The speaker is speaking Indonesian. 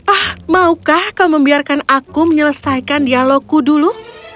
ah maukah kau membiarkan aku menyelesaikan dialogku dulu